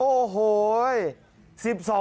โอ้โห